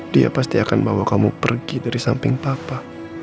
dia pasti akan bawa kamu pergi dari samping papa